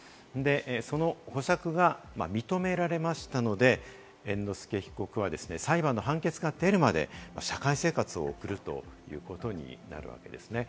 その保釈が認められましたので、猿之助被告は裁判の判決が出るまで、社会生活を送るということになるわけですね。